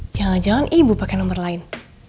jangan jangan ibu pakai nomor lain